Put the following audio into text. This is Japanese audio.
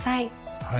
はい。